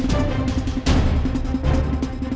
jangan jangan jangan jangan